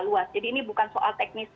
luas jadi ini bukan soal teknis